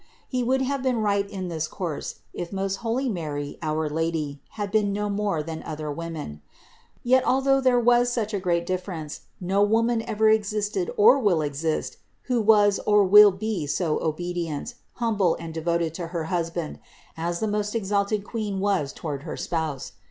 He would have been right in this course if most holy Mary, our Lady, had been no more than other women. Yet although there was such a great difference, no woman ever existed or will exist who was or will be so obedient, humble and de voted to her husband as the most exalted Queen was toward her spouse.